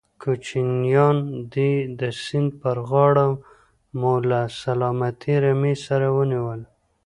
کوچيان دي، د سيند پر غاړه مو له سلامتې رمې سره ونيول.